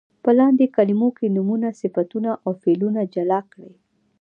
په لاندې کلمو کې نومونه، صفتونه او فعلونه جلا کړئ.